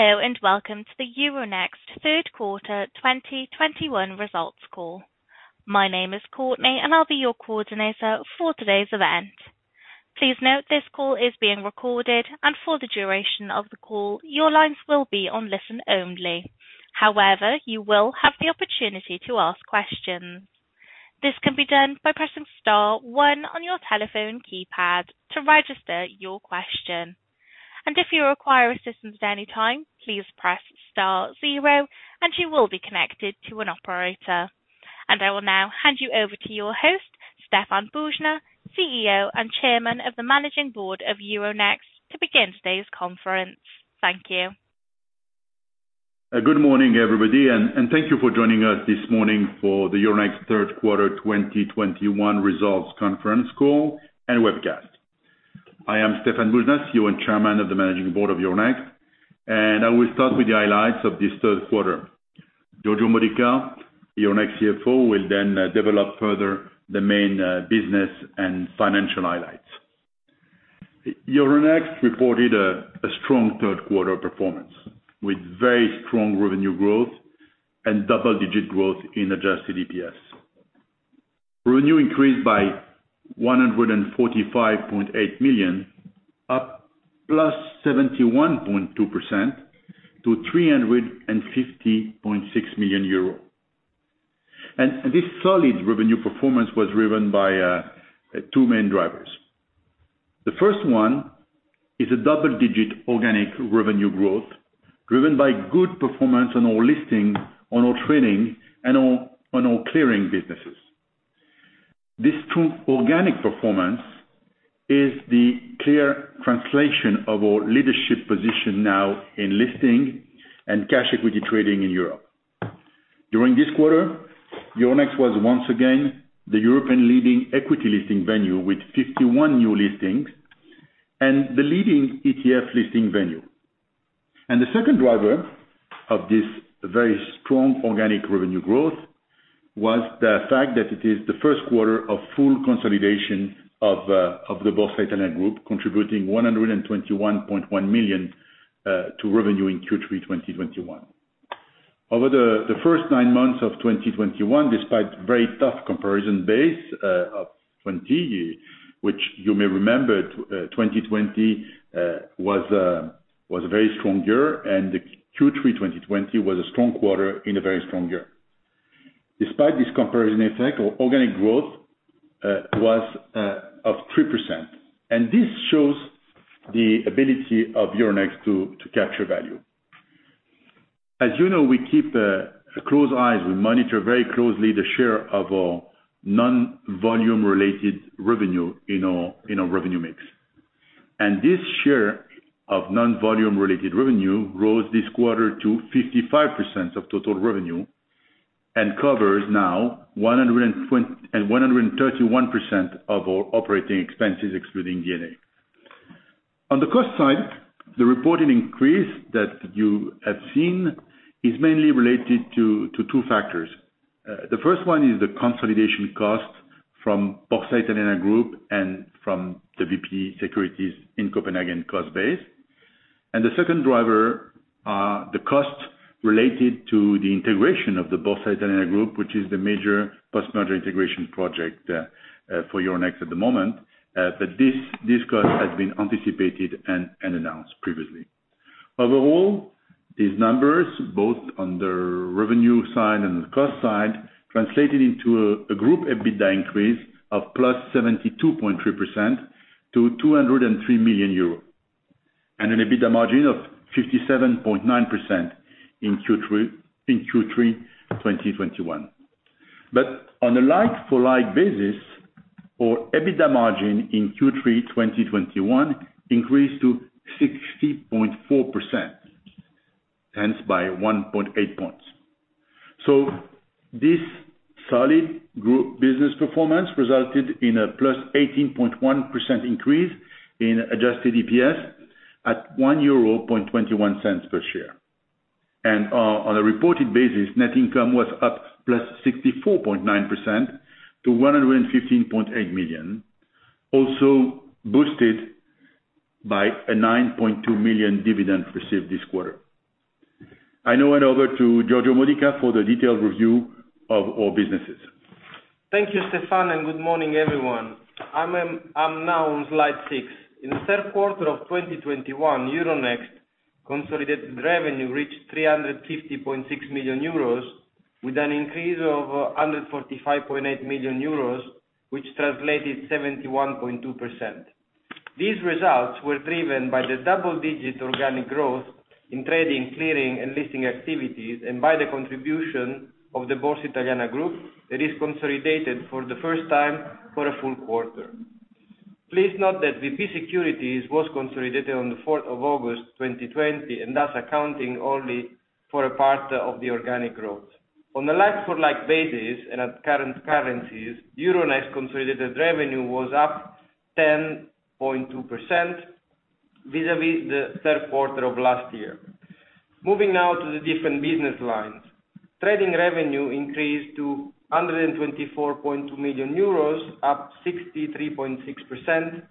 Hello, and welcome to the Euronext Third Quarter 2021 Results Call. My name is Courtney, and I'll be your coordinator for today's event. Please note this call is being recorded, and for the duration of the call, your lines will be on listen-only. However, you will have the opportunity to ask questions. This can be done by pressing star one on your telephone keypad to register your question. If you require assistance at any time, please press star zero and you will be connected to an operator. I will now hand you over to your host, Stéphane Boujnah, CEO and Chairman of the Managing Board of Euronext, to begin today's conference. Thank you. Good morning, everybody, and thank you for joining us this morning for the Euronext Third Quarter 2021 Results Conference Call and Webcast. I am Stéphane Boujnah, CEO and Chairman of the Managing Board of Euronext, and I will start with the highlights of this third quarter. Giorgio Modica, Euronext CFO, will then develop further the main business and financial highlights. Euronext reported a strong third quarter performance, with very strong revenue growth and double-digit growth in adjusted EPS. Revenue increased by 145.8 million, up +71.2% to EUR 350.6 million. This solid revenue performance was driven by two main drivers. The first one is a double-digit organic revenue growth driven by good performance on our listing, on our trading, and on our clearing businesses. This strong organic performance is the clear translation of our leadership position now in listing and cash equity trading in Europe. During this quarter, Euronext was once again the European leading equity listing venue with 51 new listings and the leading ETF listing venue. The second driver of this very strong organic revenue growth was the fact that it is the first quarter of full consolidation of the Borsa Italiana Group, contributing 121.1 million to revenue in Q3 2021. Over the first nine months of 2021, despite very tough comparison base of 2020, which you may remember 2020 was a very strong year, and Q3 2020 was a strong quarter in a very strong year. Despite this comparison effect, our organic growth was of 3%, and this shows the ability of Euronext to capture value. As you know, we keep close eyes. We monitor very closely the share of our non-volume related revenue in our revenue mix. This share of non-volume related revenue rose this quarter to 55% of total revenue and covers now 131% of our operating expenses, excluding D&A. On the cost side, the reported increase that you have seen is mainly related to two factors. The first one is the consolidation cost from Borsa Italiana Group and from the VP Securities in Copenhagen cost base. The second driver, the cost related to the integration of the Borsa Italiana Group, which is the major post-merger integration project for Euronext at the moment, that this cost has been anticipated and announced previously. Overall, these numbers, both on the revenue side and the cost side, translated into a group EBITDA increase of +72.3% to 203 million euros, and an EBITDA margin of 57.9% in Q3 2021. On a like-for-like basis, our EBITDA margin in Q3 2021 increased to 60.4%, hence by 1.8 points. This solid group business performance resulted in a +18.1% increase in adjusted EPS at 1.21 euro per share. On a reported basis, net income was up +64.9% to 115.8 million, also boosted by a 9.2 million dividend received this quarter. I now hand over to Giorgio Modica for the detailed review of all businesses. Thank you, Stéphane, and good morning, everyone. I'm now on slide six. In the third quarter of 2021, Euronext consolidated revenue reached EUR 350.6 million with an increase of EUR 145.8 million, which translated 71.2%. These results were driven by the double-digit organic growth in trading, clearing and listing activities, and by the contribution of the Borsa Italiana Group that is consolidated for the first time for a full quarter. Please note that VP Securities was consolidated on August 4th, 2020, and thus accounting only for a part of the organic growth. On a like-for-like basis and at current currencies, Euronext consolidated revenue was up 10.2% vis-à-vis the third quarter of last year. Moving now to the different business lines. Trading revenue increased to 124.2 million euros, up 63.6%,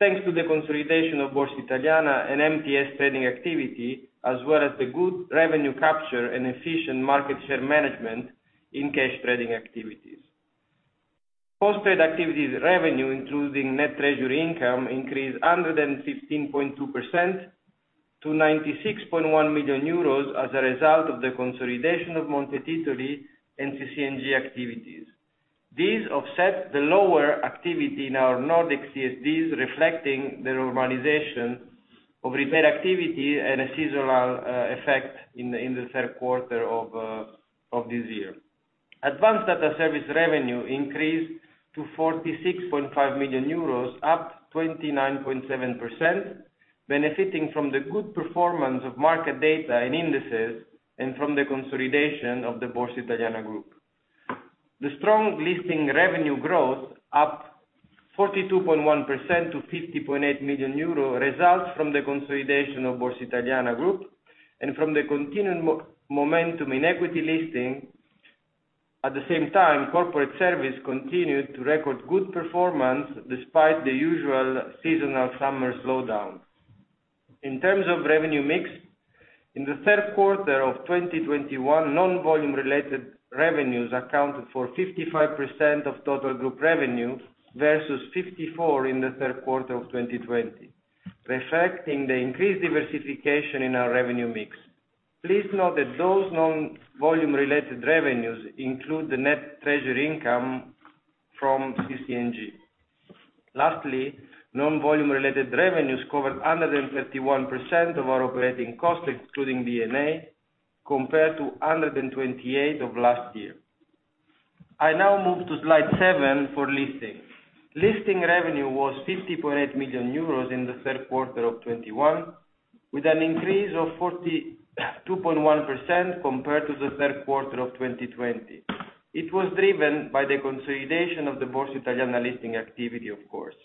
thanks to the consolidation of Borsa Italiana and MTS trading activity, as well as the good revenue capture and efficient market share management in cash trading activities. Post-trade activities revenue, including net treasury income, increased 115.2% to 96.1 million euros as a result of the consolidation of Monte Titoli and CC&G activities. These offset the lower activity in our Nordic CSDs, reflecting the normalization of repo activity and a seasonal effect in the third quarter of this year. Advanced data service revenue increased to 46.5 million euros, up 29.7%, benefiting from the good performance of market data and indices and from the consolidation of the Borsa Italiana Group. The strong listing revenue growth, up 42.1% to 50.8 million euro, results from the consolidation of Borsa Italiana Group and from the continuing momentum in equity listing. At the same time, corporate service continued to record good performance despite the usual seasonal summer slowdown. In terms of revenue mix, in the third quarter of 2021, non-volume related revenues accounted for 55% of total group revenue, versus 54% in the third quarter of 2020, reflecting the increased diversification in our revenue mix. Please note that those non-volume related revenues include the net treasury income from CC&G. Lastly, non-volume related revenues covered 131% of our operating costs, including D&A, compared to 128% of last year. I now move to slide seven for listings. Listing revenue was 50.8 million euros in the third quarter of 2021, with an increase of 42.1% compared to the third quarter of 2020. It was driven by the consolidation of the Borsa Italiana listing activity, of course.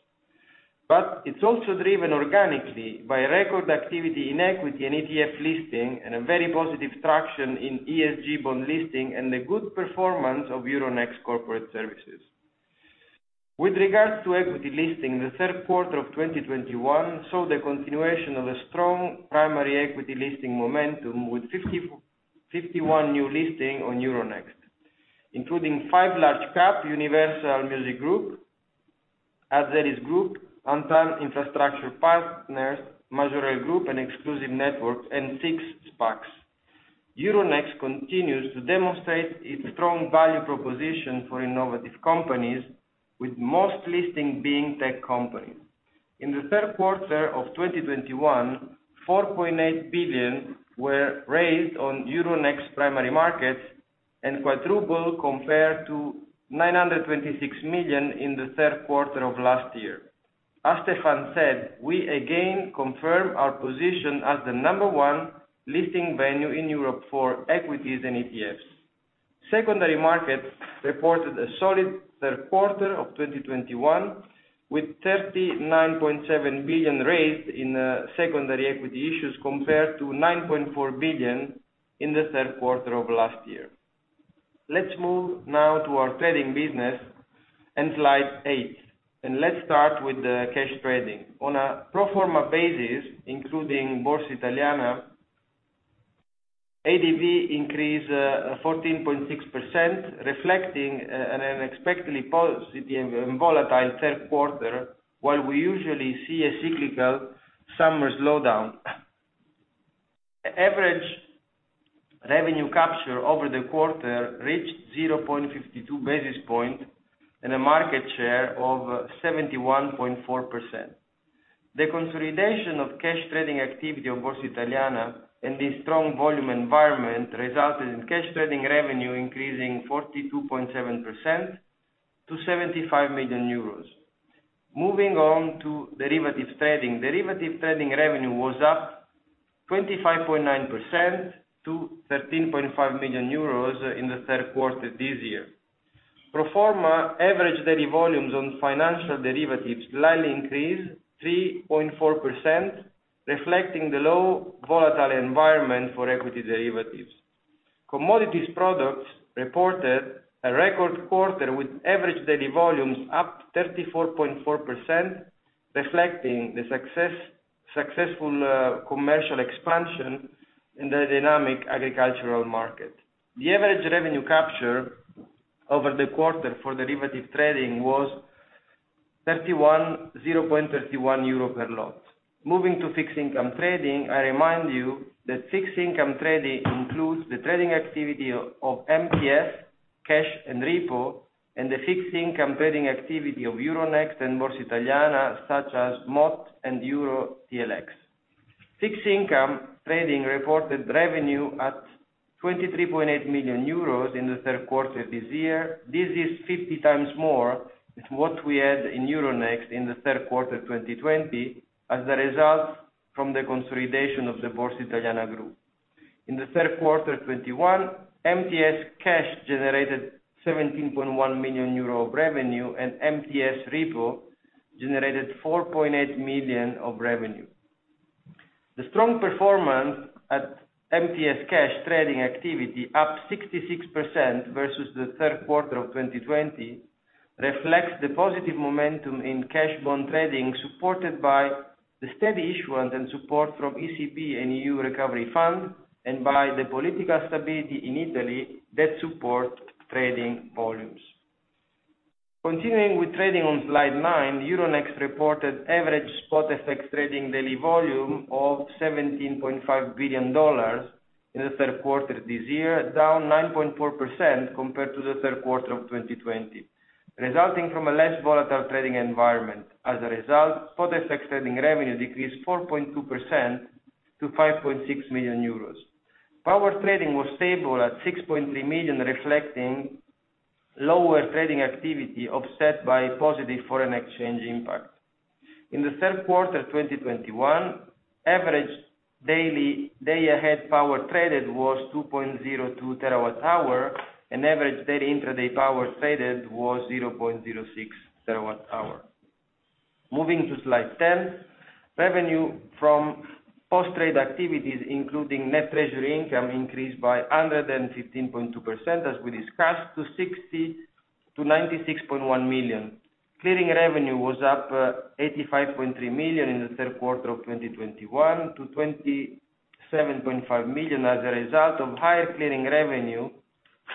It's also driven organically by record activity in equity and ETF listing and a very positive traction in ESG bond listing and the good performance of Euronext corporate services. With regards to equity listing, the third quarter of 2021 saw the continuation of a strong primary equity listing momentum with 51 new listings on Euronext, including five large cap Universal Music Group, Azelis Group, Antin Infrastructure Partners, Majorel Group, and Exclusive Networks, and 6 SPACs. Euronext continues to demonstrate its strong value proposition for innovative companies with most listings being tech companies. In the third quarter of 2021, 4.8 billion were raised on Euronext primary markets and quadrupled compared to 926 million in the third quarter of last year. As Stéphane said, we again confirm our position as the number one listing venue in Europe for equities and ETFs. Secondary markets reported a solid third quarter of 2021, with 39.7 billion raised in secondary equity issues compared to 9.4 billion in the third quarter of last year. Let's move now to our trading business and slide eight. Let's start with the cash trading. On a pro forma basis, including Borsa Italiana, ADV increased 14.6%, reflecting an unexpectedly positive and volatile third quarter, while we usually see a cyclical summer slowdown. Average revenue capture over the quarter reached 0.52 basis points and a market share of 71.4%. The consolidation of cash trading activity of Borsa Italiana and the strong volume environment resulted in cash trading revenue increasing 42.7% to 75 million euros. Moving on to derivatives trading. Derivatives trading revenue was up 25.9% to 13.5 million euros in the third quarter this year. Pro forma average daily volumes on financial derivatives slightly increased 3.4%, reflecting the low volatility environment for equity derivatives. Commodities products reported a record quarter with average daily volumes up 34.4%, reflecting the successful commercial expansion in the dynamic agricultural market. The average revenue capture over the quarter for derivatives trading was 0.31 euro per lot. Moving to fixed income trading, I remind you that fixed income trading includes the trading activity of MTS, Cash and Repo, and the fixed income trading activity of Euronext and Borsa Italiana, such as MOT and EuroTLX. Fixed income trading reported revenue at 23.8 million euros in the third quarter this year. This is 50x more than what we had in Euronext in the third quarter of 2020 as a result from the consolidation of the Borsa Italiana Group. In the third quarter of 2021, MTS Cash generated 17.1 million euro of revenue and MTS Repo generated 4.8 million of revenue. The strong performance at MTS Cash trading activity up 66% versus the third quarter of 2020 reflects the positive momentum in cash bond trading, supported by the steady issuance and support from ECB and EU Recovery Fund and by the political stability in Italy that support trading volumes. Continuing with trading on slide nine, Euronext reported average spot FX trading daily volume of $17.5 billion in the third quarter this year, down 9.4% compared to the third quarter of 2020, resulting from a less volatile trading environment. As a result, spot FX trading revenue decreased 4.2% to 5.6 million euros. Power trading was stable at 6.3 million, reflecting lower trading activity offset by positive foreign exchange impact. In the third quarter 2021, average daily day-ahead power traded was 2.02 TWh, and average daily intraday power traded was 0.06 TWh. Moving to slide 10, revenue from post-trade activities, including net treasury income, increased by 115.2%, as we discussed, to 60 million-96.1 million. Clearing revenue was up 85.3% in the third quarter of 2021 to 27.5 million as a result of higher clearing revenue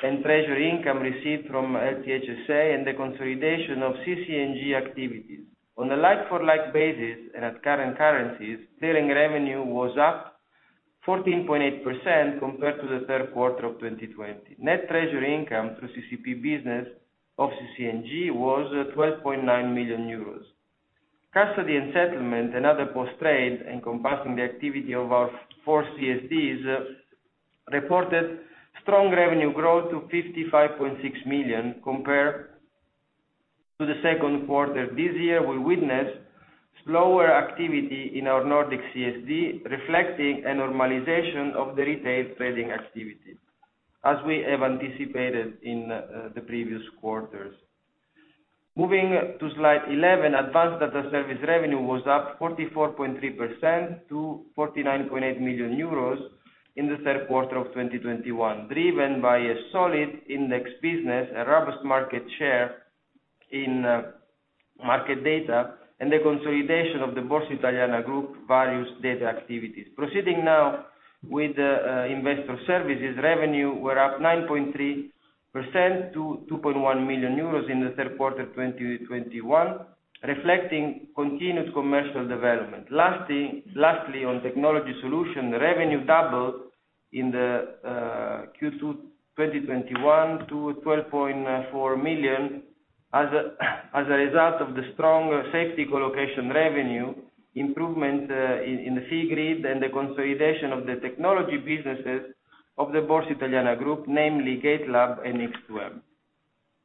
and treasury income received from LCH SA and the consolidation of CC&G activities. On a like-for-like basis and at current currencies, clearing revenue was up 14.8% compared to the third quarter of 2020. Net treasury income through CCP business of CC&G was 12.9 million euros. Custody and settlement and other post trade encompassing the activity of our 4 CSDs reported strong revenue growth to 55.6 million compared to the second quarter. This year, we witnessed slower activity in our Nordic CSD, reflecting a normalization of the retail trading activity as we have anticipated in the previous quarters. Moving to slide 11, advanced data service revenue was up 44.3% to 49.8 million euros in the third quarter of 2021, driven by a solid index business, a robust market share in market data, and the consolidation of the Borsa Italiana Group's various data activities. Proceeding now with investor services revenue were up 9.3% to 2.1 million euros in the third quarter 2021, reflecting continued commercial development. Lastly, on technology solution, the revenue doubled in the Q2 2021 to 12.4 million as a result of the strong safety colocation revenue improvement in the C grid and the consolidation of the technology businesses of the Borsa Italiana Group, namely Gatelab and X2M.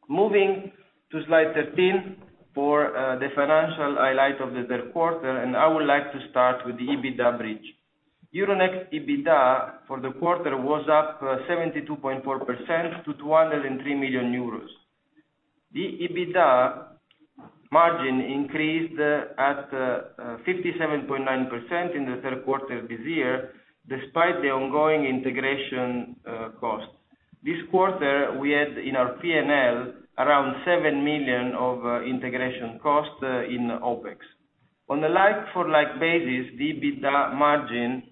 Moving to slide 13 for the financial highlight of the third quarter. I would like to start with the EBITDA bridge. Euronext EBITDA for the quarter was up 72.4% to 203 million euros. The EBITDA margin increased to 57.9% in the third quarter of this year, despite the ongoing integration costs. This quarter, we had in our P&L around 7 million of integration costs in OpEx. On a like-for-like basis, the EBITDA margin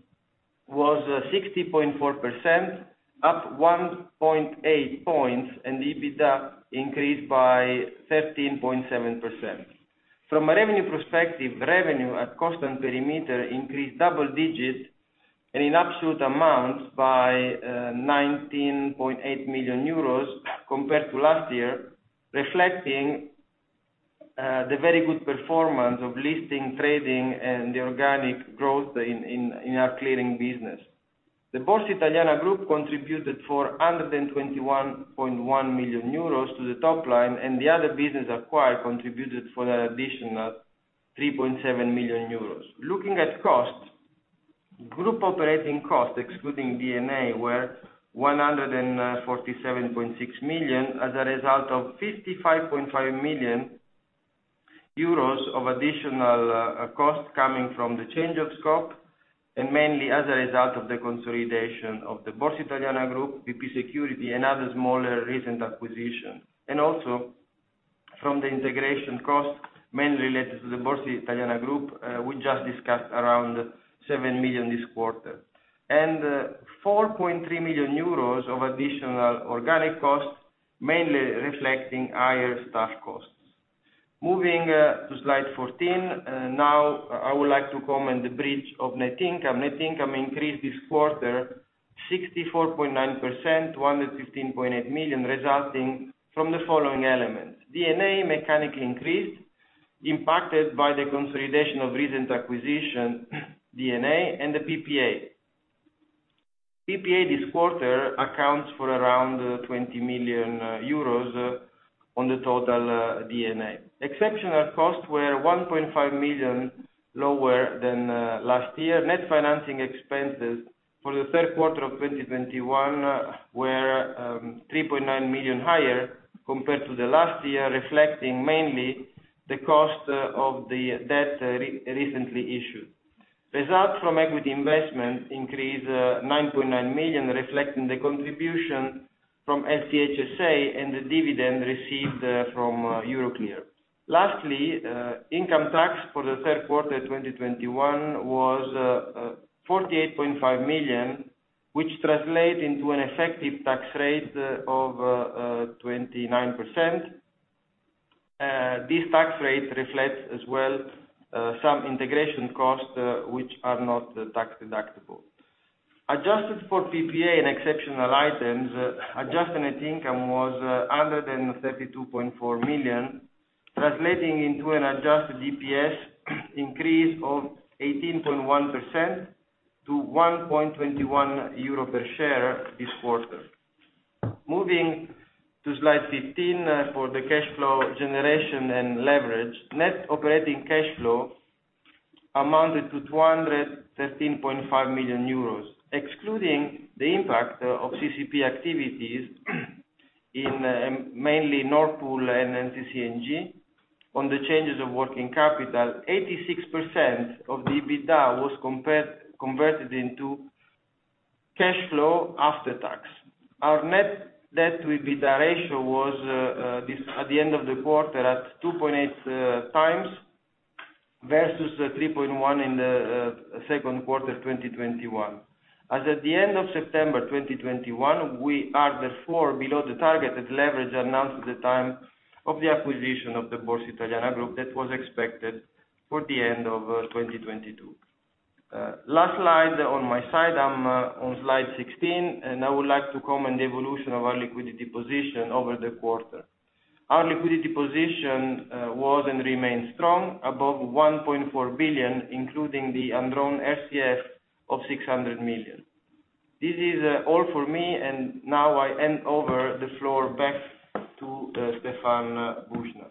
was 60.4%, up 1.8 points, and EBITDA increased by 13.7%. From a revenue perspective, revenue at constant perimeter increased double digits and in absolute amounts by 19.8 million euros compared to last year, reflecting the very good performance of listing, trading, and the organic growth in our clearing business. The Borsa Italiana Group contributed for 121.1 million euros to the top line, and the other business acquired contributed for an additional 3.7 million euros. Looking at costs, group operating costs, excluding D&A, were 147.6 million as a result of 55.5 million euros of additional costs coming from the change of scope and mainly as a result of the consolidation of the Borsa Italiana Group, VP Securities and other smaller recent acquisitions. Also, from the integration costs mainly related to the Borsa Italiana Group, we just discussed around 7 million this quarter. 4.3 million euros of additional organic costs, mainly reflecting higher staff costs. Moving to slide 14, now I would like to comment the bridge of net income. Net income increased this quarter 64.9% to 115.8 million, resulting from the following elements. D&A mechanically increased, impacted by the consolidation of recent acquisition D&A and the PPA. PPA this quarter accounts for around 20 million euros on the total D&A. Exceptional costs were 1.5 million lower than last year. Net financing expenses for the third quarter of 2021 were 3.9 million higher compared to the last year, reflecting mainly the cost of the debt recently issued. Results from equity investment increased 9.9 million, reflecting the contribution from LCH SA and the dividend received from Euroclear. Lastly, income tax for the third quarter 2021 was 48.5 million, which translate into an effective tax rate of 29%. This tax rate reflects as well some integration costs which are not tax deductible. Adjusted for PPA and exceptional items, adjusted net income was 132.4 million, translating into an adjusted DPS increase of 18.1% to 1.21 euro per share this quarter. Moving to slide 15 for the cash flow generation and leverage. Net operating cash flow amounted to 213.5 million euros. Excluding the impact of CCP activities in mainly Nord Pool and CC&G on the changes of working capital, 86% of the EBITDA was converted into cash flow after tax. Our net debt to EBITDA ratio was at the end of the quarter at 2.8x versus 3.1x in the second quarter of 2021. As at the end of September 2021, we are therefore below the targeted leverage announced at the time of the acquisition of the Borsa Italiana Group that was expected for the end of 2022. Last slide on my side, I'm on slide 16, and I would like to comment the evolution of our liquidity position over the quarter. Our liquidity position was and remains strong above 1.4 billion, including the undrawn RCF of 600 million. This is all for me, and now I hand over the floor back to Stéphane Boujnah.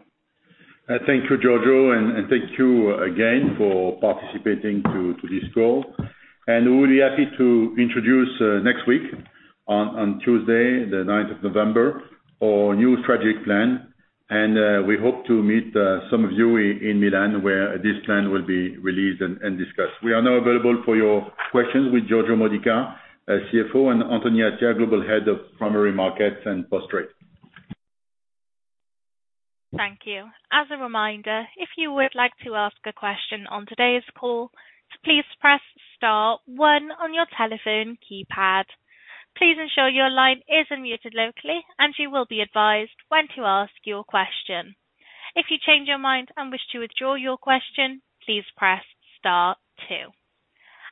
Thank you, Giorgio, and thank you again for participating to this call. We'll be happy to introduce next week on Tuesday the 9th of November, our new strategic plan. We hope to meet some of you in Milan where this plan will be released and discussed. We are now available for your questions with Giorgio Modica, our CFO, and Anthony Attia, Global Head of Primary Markets and Post Trade. Thank you. As a reminder, if you would like to ask a question on today's call, please press star one on your telephone keypad. Please ensure your line is unmuted locally, and you will be advised when to ask your question. If you change your mind and wish to withdraw your question, please press star two.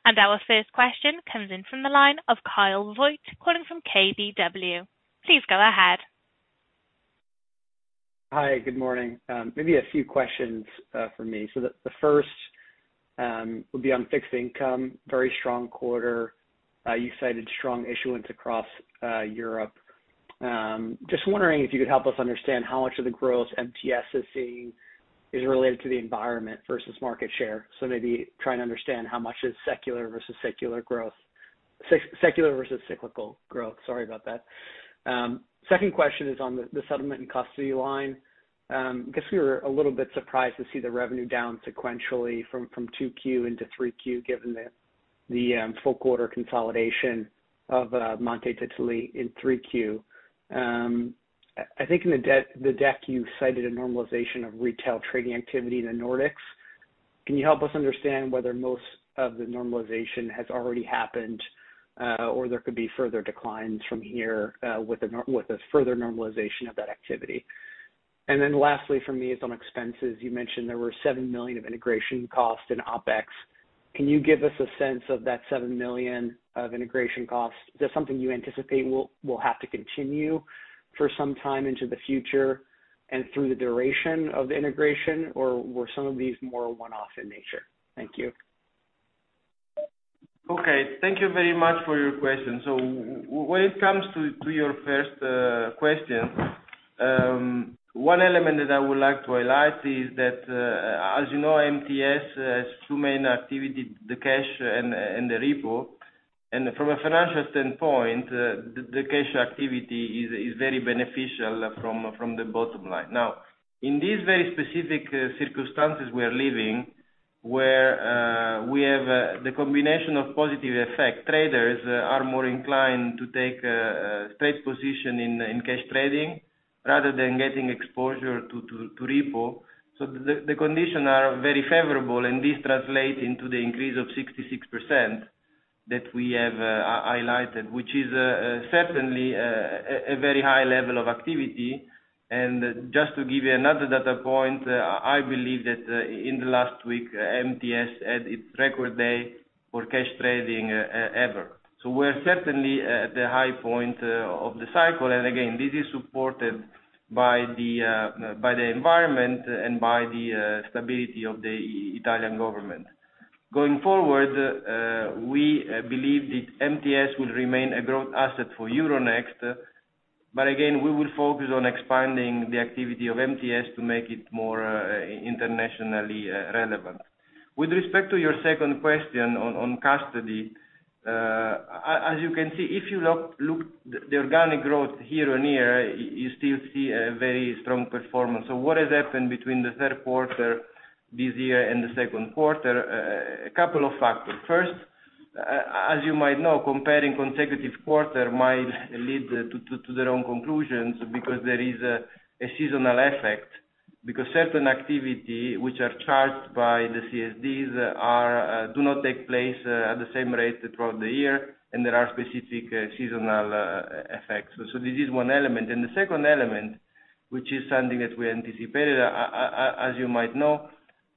Our first question comes in from the line of Kyle Voigt, calling from KBW. Please go ahead. Hi, good morning. Maybe a few questions from me. The first would be on fixed income, very strong quarter. You cited strong issuance across Europe. Just wondering if you could help us understand how much of the growth MTS is seeing is related to the environment versus market share, maybe trying to understand how much is secular versus cyclical growth. Sorry about that. Second question is on the settlement and custody line. Guess we were a little bit surprised to see the revenue down sequentially from 2Q into 3Q, given the full quarter consolidation of Monte Titoli in 3Q. I think in the deck you cited a normalization of retail trading activity in the Nordics. Can you help us understand whether most of the normalization has already happened, or there could be further declines from here, with a further normalization of that activity? Lastly for me is on expenses. You mentioned there were 7 million of integration costs in OpEx. Can you give us a sense of that 7 million of integration costs? Is that something you anticipate will have to continue for some time into the future and through the duration of the integration, or were some of these more one-off in nature? Thank you. Okay. Thank you very much for your question. When it comes to your first question, one element that I would like to highlight is that, as you know, MTS has two main activity, the cash and the repo. From a financial standpoint, the cash activity is very beneficial from the bottom line. Now, in these very specific circumstances we are living, where we have the combination of positive effect, traders are more inclined to take trade position in cash trading rather than getting exposure to repo. The conditions are very favorable, and this translate into the increase of 66% that we have highlighted, which is certainly a very high level of activity. Just to give you another data point, I believe that in the last week, MTS had its record day for cash trading ever. We're certainly at the high point of the cycle. Again, this is supported by the environment and by the stability of the Italian government. Going forward, we believe that MTS will remain a growth asset for Euronext. Again, we will focus on expanding the activity of MTS to make it more internationally relevant. With respect to your second question on custody, as you can see, if you look the organic growth year-on-year, you still see a very strong performance. What has happened between the third quarter this year and the second quarter, a couple of factors. First, as you might know, comparing consecutive quarter might lead to their own conclusions because there is a seasonal effect, because certain activity which are charged by the CSDs do not take place at the same rate throughout the year, and there are specific seasonal effects. This is one element. The second element, which is something that we anticipated, as you might know,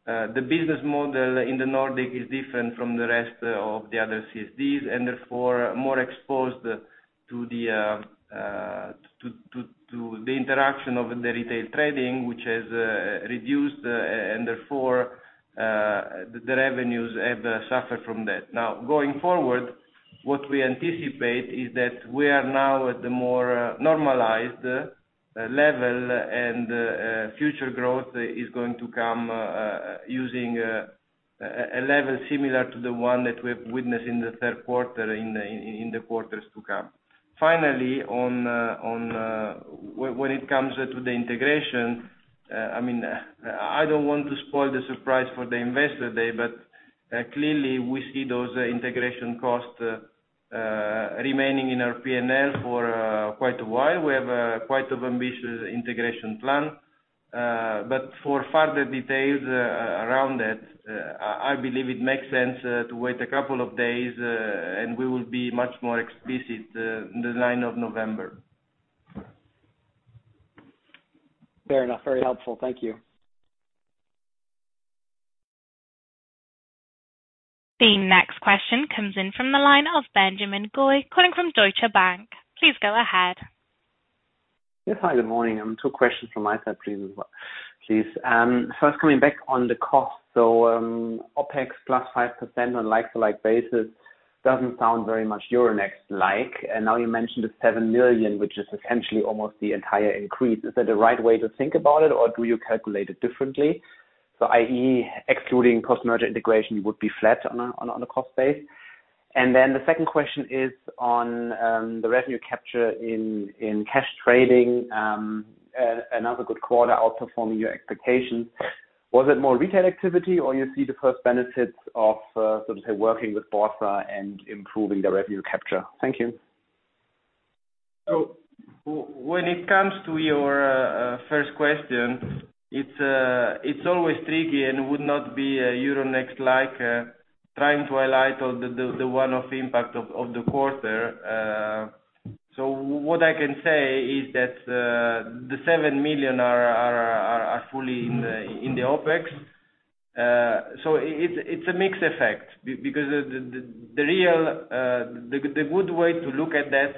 the business model in the Nordic is different from the rest of the other CSDs, and therefore more exposed to the interaction of the retail trading, which has reduced, and therefore the revenues have suffered from that. Now, going forward, what we anticipate is that we are now at the more normalized level and future growth is going to come using a level similar to the one that we've witnessed in the third quarter in the quarters to come. Finally, on when it comes to the integration, I mean, I don't want to spoil the surprise for the investor day, but clearly, we see those integration costs remaining in our P&L for quite a while. We have quite an ambitious integration plan. But for further details around that, I believe it makes sense to wait a couple of days, and we will be much more explicit the 9th of November. Fair enough. Very helpful. Thank you. The next question comes in from the line of Benjamin Goy, calling from Deutsche Bank. Please go ahead. Yes. Hi, good morning. Two questions from my side, please as well, please. First, coming back on the cost. So, OpEx +5% on like-for-like basis doesn't sound very much Euronext-like. Now you mentioned the 7 million, which is essentially almost the entire increase. Is that the right way to think about it, or do you calculate it differently? i.e., excluding post-merger integration, you would be flat on a cost base. Then the second question is on the revenue capture in cash trading, another good quarter outperforming your expectations. Was it more retail activity or you see the first benefits of sort of working with Borsa and improving the revenue capture? Thank you. When it comes to your first question, it's always tricky and would not be Euronext-like trying to highlight the one-off impact of the quarter. What I can say is that the 7 million are fully in the OpEx. It's a mixed effect because the good way to look at that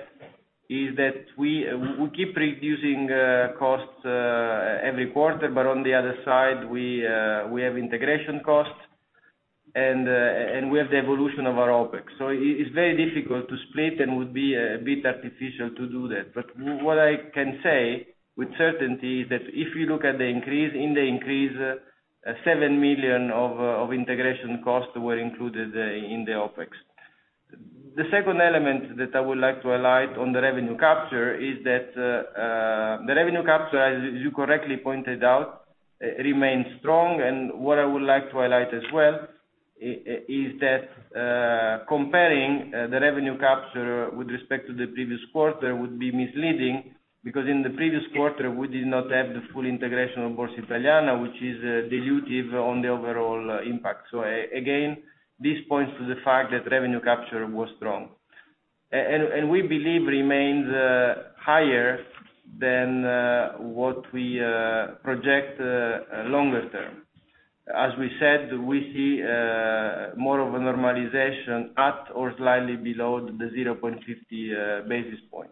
is that we keep reducing costs every quarter, but on the other side, we have integration costs and we have the evolution of our OpEx. It's very difficult to split and would be a bit artificial to do that. What I can say with certainty is that if you look at the increase, 7 million of integration costs were included in the OpEx. The second element that I would like to highlight on the revenue capture is that the revenue capture, as you correctly pointed out, remains strong. What I would like to highlight as well is that comparing the revenue capture with respect to the previous quarter would be misleading, because in the previous quarter, we did not have the full integration of Borsa Italiana, which is dilutive on the overall impact. Again, this points to the fact that revenue capture was strong. We believe remains higher than what we project longer term. As we said, we see more of a normalization at or slightly below the 0.50 basis point.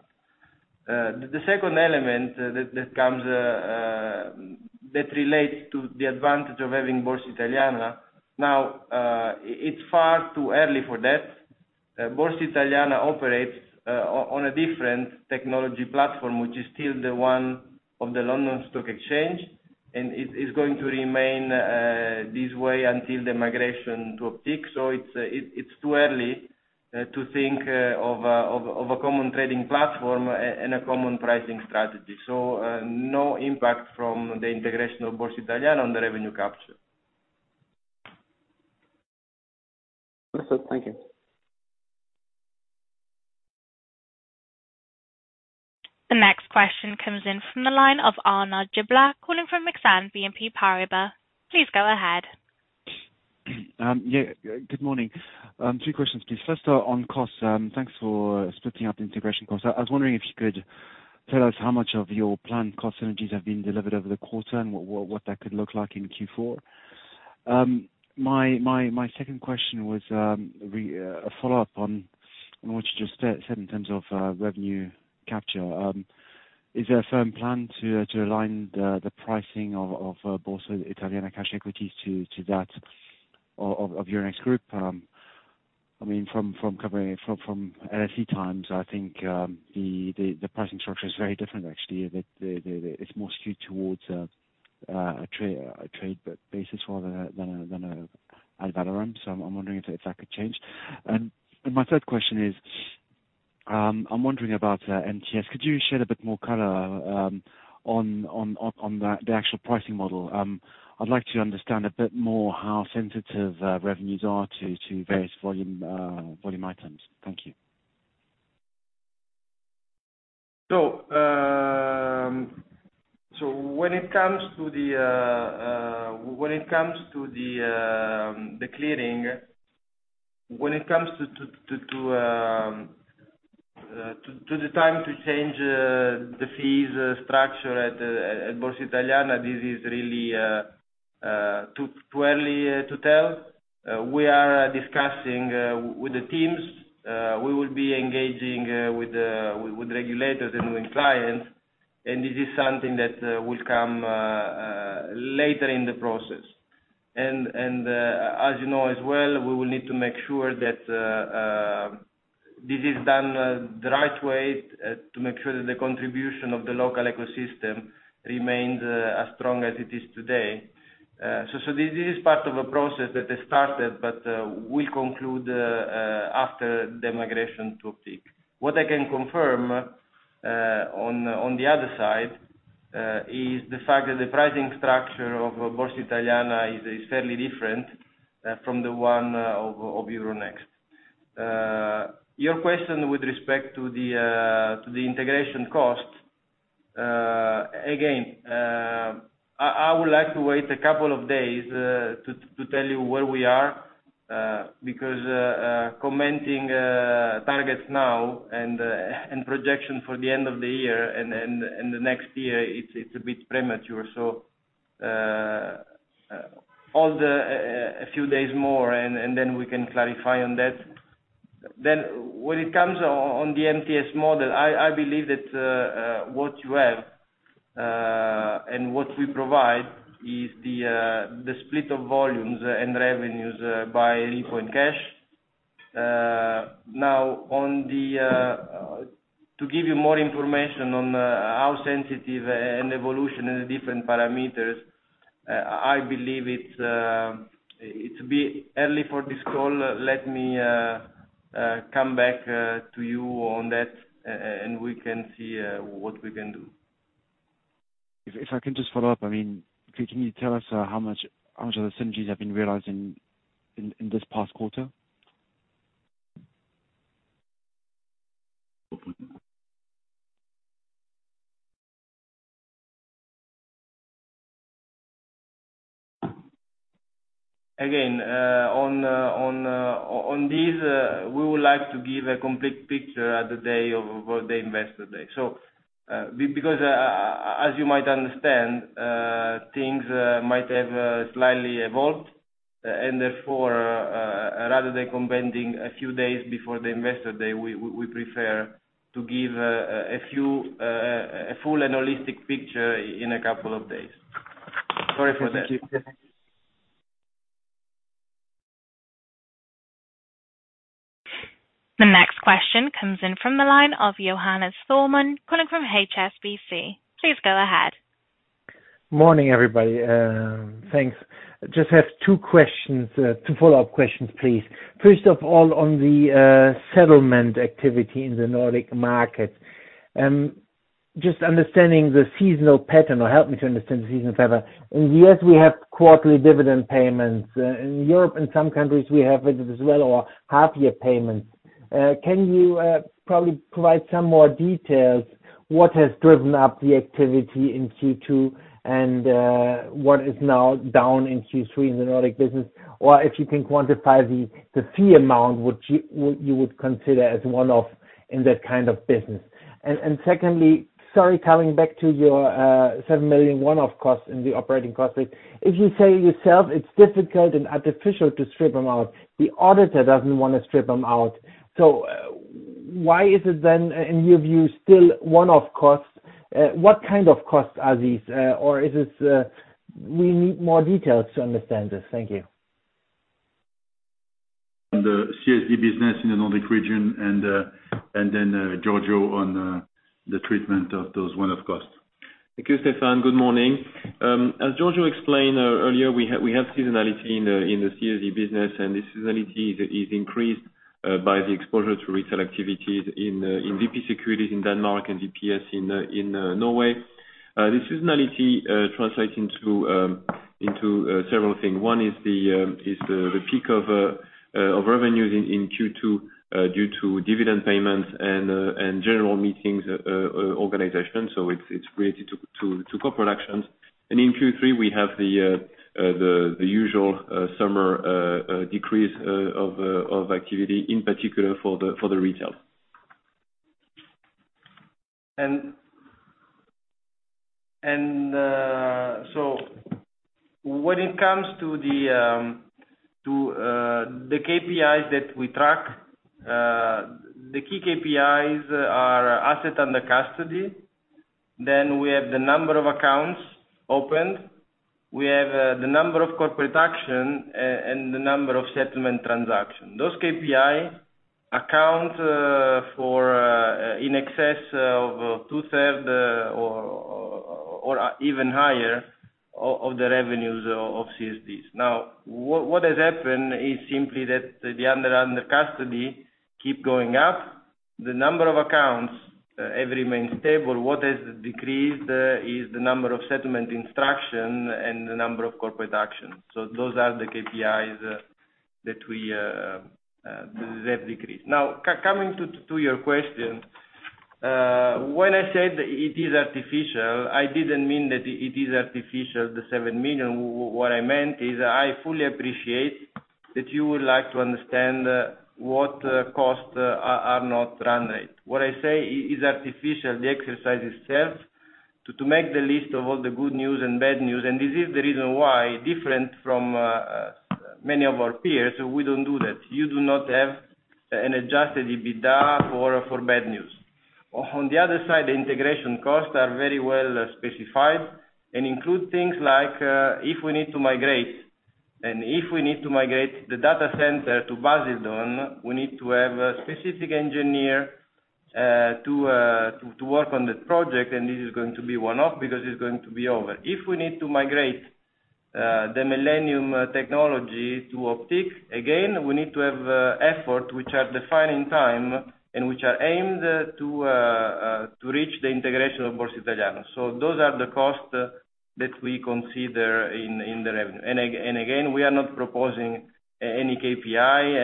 The second element that comes that relates to the advantage of having Borsa Italiana. Now, it's far too early for that. Borsa Italiana operates on a different technology platform, which is still the one of the London Stock Exchange, and it's going to remain this way until the migration to Optiq. It's too early to think of a common trading platform and a common pricing strategy. No impact from the integration of Borsa Italiana on the revenue capture. Understood. Thank you. The next question comes in from the line of Arnaud Giblat, calling from Exane BNP Paribas. Please go ahead. Yeah. Good morning. Two questions, please. First on costs. Thanks for splitting up the integration costs. I was wondering if you could tell us how much of your planned cost synergies have been delivered over the quarter, and what that could look like in Q4. My second question was a follow-up on what you just said in terms of revenue capture. Is there a firm plan to align the pricing of Borsa Italiana cash equities to that of Euronext Group? I mean, from LSE times, I think, the pricing structure is very different actually. It's more skewed towards a trade-based basis rather than a. So, I'm wondering if that could change. My third question is, I'm wondering about MTS. Could you shed a bit more color on the actual pricing model? I'd like to understand a bit more how sensitive revenues are to various volume items. Thank you. When it comes to the clearing, when it comes to the time to change the fees structure at Borsa Italiana, this is really too early to tell. We are discussing with the teams. We will be engaging with the regulators and with clients, and this is something that will come later in the process. As you know as well, we will need to make sure that this is done the right way to make sure that the contribution of the local ecosystem remains as strong as it is today. This is part of a process that has started, but we conclude after the migration to Optiq. What I can confirm on the other side is the fact that the pricing structure of Borsa Italiana is fairly different from the one of Euronext. Your question with respect to the integration cost, again, I would like to wait a couple of days to tell you where we are, because commenting targets now and projection for the end of the year and the next year, it's a bit premature. A few days more and then we can clarify on that. When it comes on the MTS model, I believe that what you have and what we provide is the split of volumes and revenues by repo and cash. Now, to give you more information on how sensitive and evolution in the different parameters, I believe it'd be early for this call. Let me come back to you on that and we can see what we can do. If I can just follow up. I mean, can you tell us how much of the synergies have been realized in this past quarter? Again, on this, we would like to give a complete picture on the day of the Investor Day. Because, as you might understand, things might have slightly evolved, and therefore, rather than commenting a few days before the Investor Day, we prefer to give a full analytical picture in a couple of days. Sorry for that. Thank you. The next question comes in from the line of Johannes Thormann, calling from HSBC. Please go ahead. Morning, everybody. Thanks. Just have two questions, two follow-up questions, please. First of all, on the settlement activity in the Nordic market. Just understanding the seasonal pattern will help me. In the U.S., we have quarterly dividend payments. In Europe and some countries, we have it as well, or half year payments. Can you probably provide some more details what has driven up the activity in Q2 and what is now down in Q3 in the Nordic business? Or if you can quantify the fee amount, which you would consider as one-off in that kind of business. Secondly, sorry, coming back to your 7 million one-off costs in the operating costs. If you say so yourself it's difficult and artificial to strip them out, the auditor doesn't wanna strip them out. Why is it then, in your view, still one-off costs? What kind of costs are these? Or is this? We need more details to understand this. Thank you. The CSD business in the Nordic region and then Giorgio on the treatment of those one-off costs. Thank you, Stéphane. Good morning. As Giorgio explained earlier, we have seasonality in the CSD business, and the seasonality is increased by the exposure to retail activities in VP Securities in Denmark and VPS in Norway. The seasonality translates into several things. One is the peak of revenues in Q2 due to dividend payments and general meetings organization. It's related to corporate actions. In Q3, we have the usual summer decrease of activity, in particular for the retail. When it comes to the KPIs that we track, the key KPIs are assets under custody. Then we have the number of accounts opened. We have the number of corporate actions and the number of settlement transactions. Those KPIs account for in excess of two-thirds or even higher of the revenues of CSDs. What has happened is simply that the assets under custody keep going up. The number of accounts have remained stable. What has decreased is the number of settlement instructions and the number of corporate actions. Those are the KPIs that we that have decreased. Coming to your question, when I said it is artificial, I didn't mean that it is artificial, the 7 million. What I meant is I fully appreciate that you would like to understand what costs are not run rate. What I say is artificial, the exercise itself, to make the list of all the good news and bad news, and this is the reason why different from many of our peers, we don't do that. You do not have an adjusted EBITDA for bad news. On the other side, the integration costs are very well specified and include things like, if we need to migrate, and if we need to migrate the data center to Basildon, we need to have a specific engineer to work on the project. This is going to be one-off because it's going to be over. If we need to migrate the Millennium technology to Optiq, again, we need to have efforts which are time-defining and which are aimed to reach the integration of Borsa Italiana. Those are the costs that we consider in the revenue. Again, we are not proposing any KPI,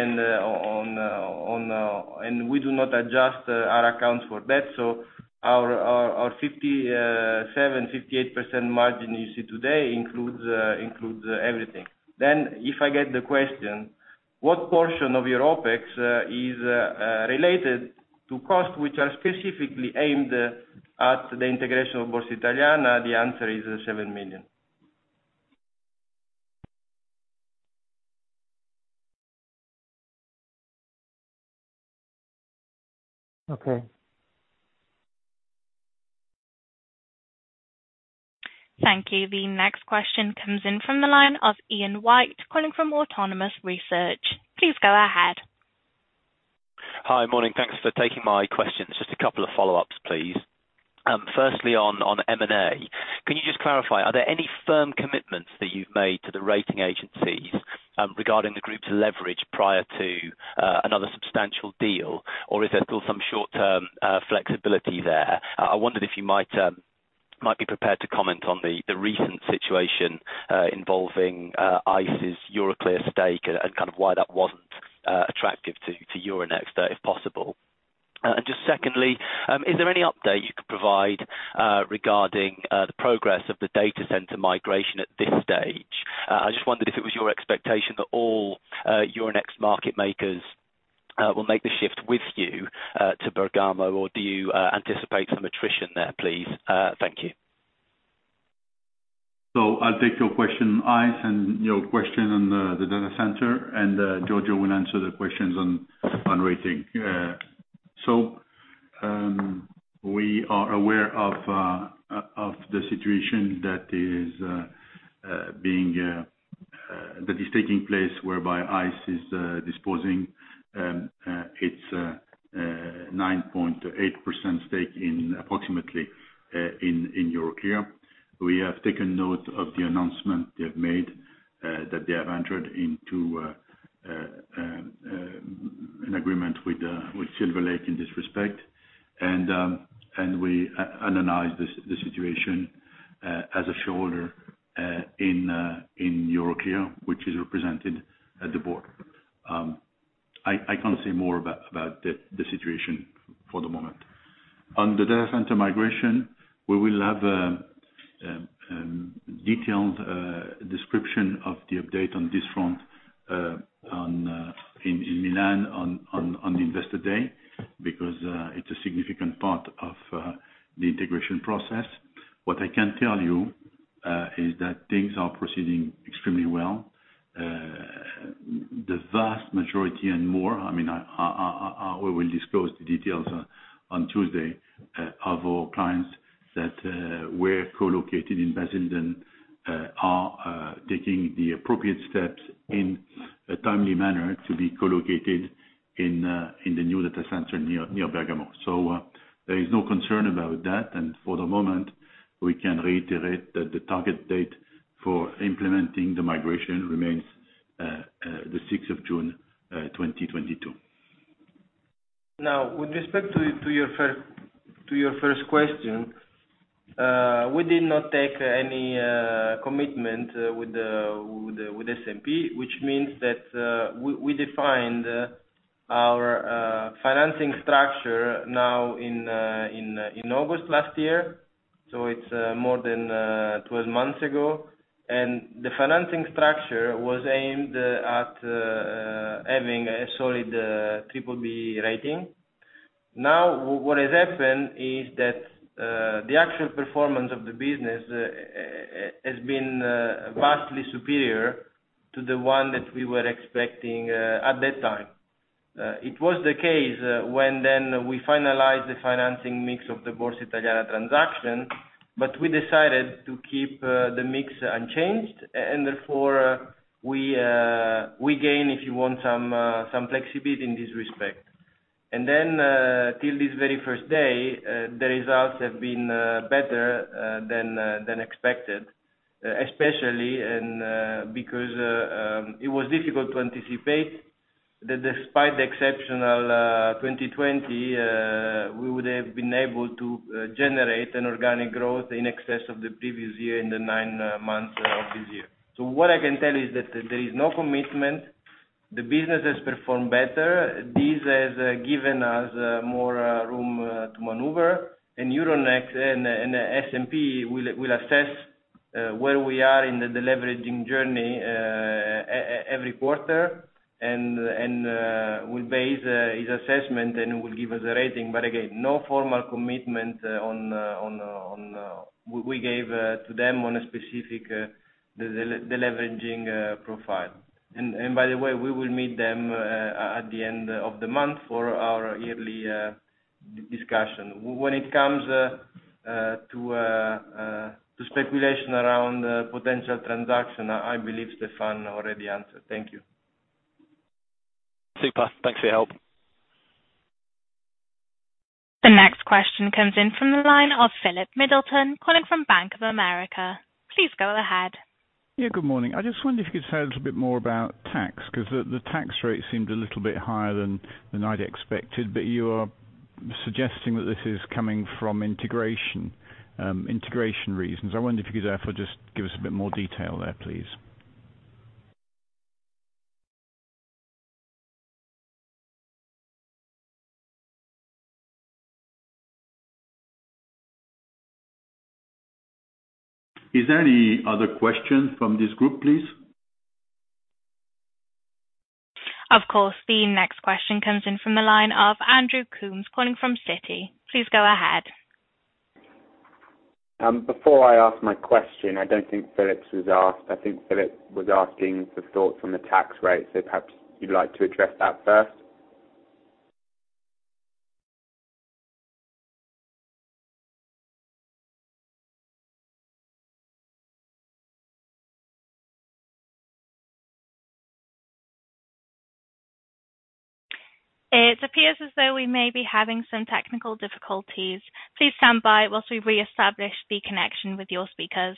and we do not adjust our accounts for D&A. Our 57%-58% margin you see today includes everything. If I get the question, what portion of your OpEx is related to costs which are specifically aimed at the integration of Borsa Italiana, the answer is 7 million. Okay. Thank you. The next question comes in from the line of Ian White, calling from Autonomous Research. Please go ahead. Hi. Morning. Thanks for taking my questions. Just a couple of follow-ups, please. Firstly, on M&A, can you just clarify, are there any firm commitments that you've made to the rating agencies, regarding the group's leverage prior to another substantial deal, or is there still some short-term flexibility there? I wondered if you might be prepared to comment on the recent situation involving ICE's Euroclear stake and kind of why that wasn't attractive to Euronext, if possible. Just secondly, is there any update you could provide regarding the progress of the data center migration at this stage? I just wondered if it was your expectation that all Euronext market makers will make the shift with you to Bergamo or do you anticipate some attrition there, please? Thank you. I'll take your question ICE and your question on the data center, and Giorgio will answer the questions on rating. We are aware of the situation that is taking place whereby ICE is disposing its approximately 9.8% stake in Euroclear. We have taken note of the announcement they have made that they have entered into an agreement with Silver Lake in this respect. We analyze this situation as a shareholder in Euroclear, which is represented at the board. I can't say more about the situation for the moment. On the data center migration, we will have detailed description of the update on this front in Milan on Investor Day, because it's a significant part of the integration process. What I can tell you is that things are proceeding extremely well. The vast majority and more, I mean, we will disclose the details on Tuesday of our clients that were co-located in Basildon are taking the appropriate steps in a timely manner to be co-located in the new data center near Bergamo. There is no concern about that. For the moment, we can reiterate that the target date for implementing the migration remains the 6th of June 2022. Now, with respect to your first question, we did not take any commitment with S&P, which means that we defined our financing structure now in August last year, so it's more than 12 months ago. The financing structure was aimed at having a solid Triple B rating. Now, what has happened is that the actual performance of the business has been vastly superior to the one that we were expecting at that time. It was the case when we finalized the financing mix of the Borsa Italiana transaction, but we decided to keep the mix unchanged. Therefore, we gain, if you want, some flexibility in this respect. To this very first day, the results have been better than expected. Especially because it was difficult to anticipate that despite the exceptional 2020, we would have been able to generate an organic growth in excess of the previous year in the 9 months of this year. What I can tell you is that there is no commitment. The business has performed better. This has given us more room to maneuver. Euronext and S&P will assess where we are in the deleveraging journey every quarter. They will base its assessment and will give us a rating. Again, no formal commitment on... We gave to them on a specific deleveraging profile. By the way, we will meet them at the end of the month for our yearly discussion. When it comes to speculation around potential transaction, I believe Stéphane already answered. Thank you. Super. Thanks for your help. The next question comes in from the line of Philip Middleton, calling from Bank of America. Please go ahead. Yeah, good morning. I just wonder if you could say a little bit more about tax, 'cause the tax rate seemed a little bit higher than I'd expected. You're suggesting that this is coming from integration reasons. I wonder if you could therefore just give us a bit more detail there, please. Is there any other questions from this group, please? Of course. The next question comes in from the line of Andrew Coombs calling from Citi. Please go ahead. Before I ask my question, I don't think Philip's was asked. I think Philip was asking for thoughts on the tax rate, so perhaps you'd like to address that first. It appears as though we may be having some technical difficulties. Please stand by whilst we reestablish the connection with your speakers.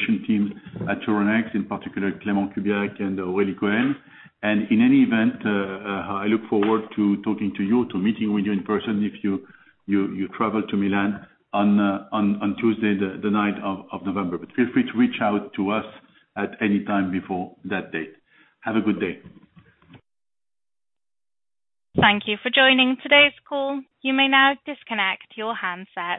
The Investor Relations team at Euronext, in particular Clément Kubiak and Aurélie Cohen. In any event, I look forward to talking to you, to meeting with you in person if you travel to Milan on Tuesday, the 9th of November. But feel free to reach out to us at any time before that date. Have a good day. Thank you for joining today's call. You may now disconnect your handset.